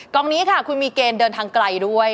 องนี้ค่ะคุณมีเกณฑ์เดินทางไกลด้วย